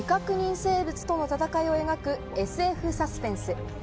生物との戦いを描く、ＳＦサスペンス。